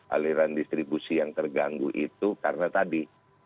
aliran distribusi yang terganggu itu karena tadi